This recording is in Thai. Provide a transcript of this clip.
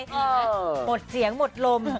มีอีกไหมหมดเสียงหมดลม